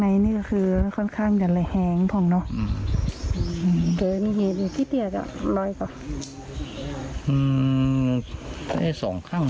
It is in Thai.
ยิงกันอยู่รึยัง